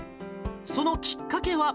そのきっかけは。